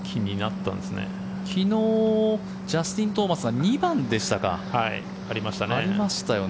昨日、ジャスティン・トーマスが２番でしたかありましたよね。